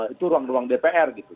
itu ruang ruang dpr gitu